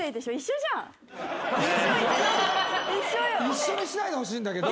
一緒にしないでほしいんだけど。